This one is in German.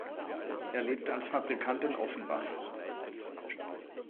Er lebte als Fabrikant in Offenbach.